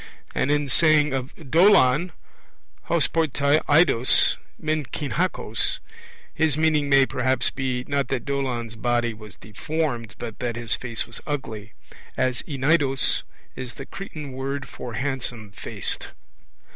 And in saying of Dolon, hos p e toi eidos men heen kakos, his meaning may perhaps be, not that Dolon's body was deformed, but that his face was ugly, as eneidos is the Cretan word for handsome faced.